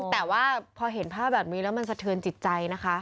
แต่ว่าพอเห็นภาพแบบนี้แล้วมันสะเทือนจิตใจนะคะ